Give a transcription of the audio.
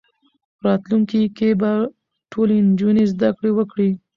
راتلونکي کې به ټولې نجونې زدهکړې وکړي.